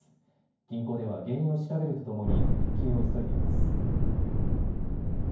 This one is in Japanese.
銀行では原因を調べるとともに復旧を急いでいます。